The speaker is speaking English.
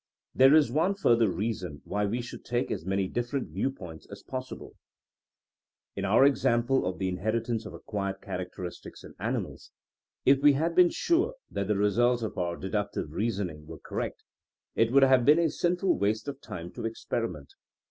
There is one further reason why we should take as many different viewpoints as possible. 50 THINEINO AS A SCIENCE In our example of the inheritance of acquired characteristics in animals, if we had been sure that the results of our deductive reasoning were correct, it would have been a sinful waste of time to experiment.